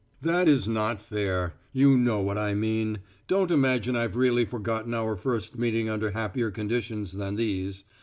"That is not fair. You know what I mean. Don't imagine I've really forgotten our first meeting under happier conditions than these.